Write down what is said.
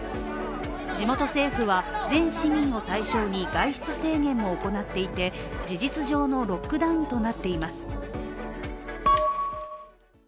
地元政府は、全市民を対象に外出制限も行っていて、事実上のロックダウンとなっています。